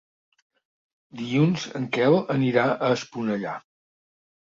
Dilluns en Quel anirà a Esponellà.